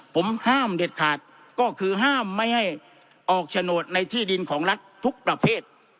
ผมห้ามเด็ดขาดก็คือห้ามไม่ให้ออกโฉนดในที่ดินของรัฐทุกประเภท